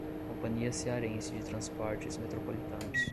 Companhia Cearense de Transportes Metropolitanos